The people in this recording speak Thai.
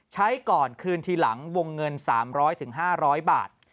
ใช้ก่อนคืนทีหลังวงเงิน๓๐๐๕๐๐บาท